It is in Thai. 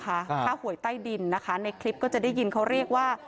ค่าหวยใต้ดินนะคะในคลิปก็จะได้ยินเขาเรียกว่า